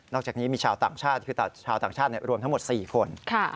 จากนี้มีชาวต่างชาติคือชาวต่างชาติรวมทั้งหมด๔คน